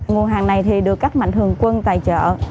nguồn hàng này thì được các mạnh thường quân tài trợ